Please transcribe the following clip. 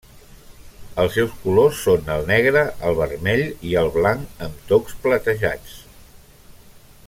Els seus colors són el negre, el vermell i el blanc amb tocs platejats.